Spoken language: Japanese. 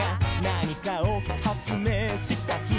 「なにかをはつめいしたひ」